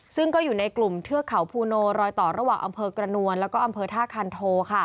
ซึ่งก็อยู่ในกลุ่มเทือกเขาภูโนรอยต่อระหว่างอำเภอกระนวลแล้วก็อำเภอท่าคันโท